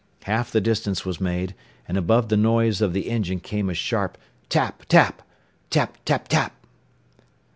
Half the distance was made, and above the noise of the engine came a sharp "Tap, tap! Tap, tap, tap!"